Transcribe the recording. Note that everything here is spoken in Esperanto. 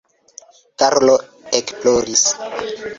Karlo ekploris.